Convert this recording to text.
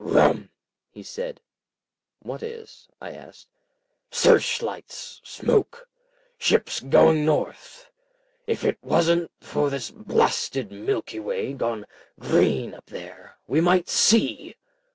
"Rum," he said. "What is?" I asked. "Search lights! Smoke! Ships going north! If it wasn't for this blasted Milky Way gone green up there, we might see."